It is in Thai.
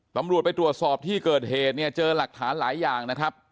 ตำรวจไปตรวจสอบที่เกิดเหตุเนี่ยเจอหลักฐานหลายอย่างนะครับ